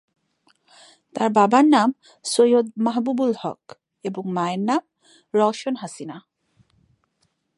তার বাবার নাম সৈয়দ মাহবুবুল হক এবং মায়ের নাম রওশন হাসিনা।